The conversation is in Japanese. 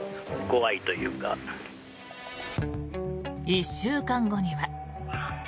１週間後には。